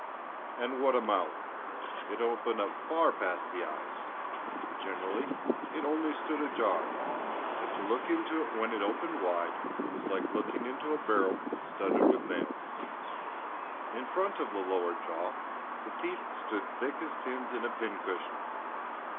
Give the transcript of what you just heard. And what a mouth! It opened up far past the eyes! Generally, it only stood ajar; but to look into it when it opened wide was like looking into a barrel studded with nails. In the front of the lower jaw, the teeth stood thick as pins in a pincushion.